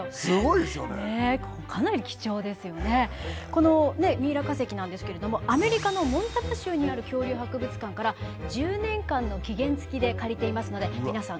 このミイラ化石なんですけれどもアメリカのモンタナ州にある恐竜博物館から１０年間の期限付きで借りていますので皆さんお見逃しなく。